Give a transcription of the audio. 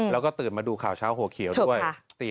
แล้วก็ตื่นมาดูข่าวเช้าหัวเขียวด้วย